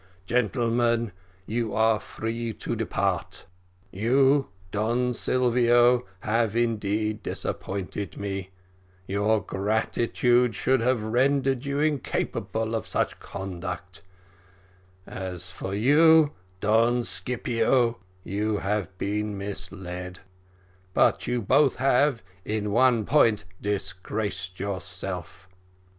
Gentlemen, you are free to depart: you, Don Silvio, have indeed disappointed me; your gratitude should have rendered you incapable of such conduct: as for you, Don Scipio, you have been misled; but you both have, in one point, disgraced yourselves.